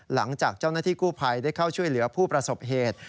หลังจากเจ้าหน้าที่กู้ภัยได้เข้าช่วยเหลือผู้ประสบเหตุ